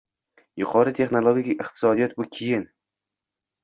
Yuqori texnologik iqtisodiyot bu – keyin